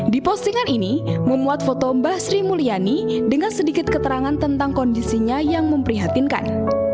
di postingan ini memuat foto mbah sri mulyani dengan sedikit keterangan tentang kondisinya yang memprihatinkan